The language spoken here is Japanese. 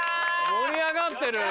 盛り上がってるよ。